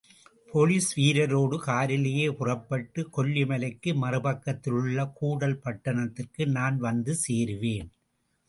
Police வீரரோடு காரிலேயே புறப்பட்டு, கொல்லி மலைக்கு மறுபக்கத்தில் உள்ள கூடல் பட்டணத்திற்கு நான் வந்து சேருவேன்.